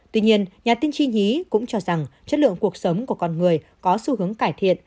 tuy nhiên nhà tiên tri nhí cũng cho rằng chất lượng cuộc sống của con người có xu hướng cải thiện